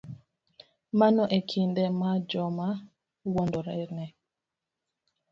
Mano e kinde ma joma wuondore ne